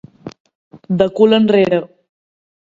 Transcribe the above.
De cul enrere.